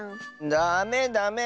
ダメダメ！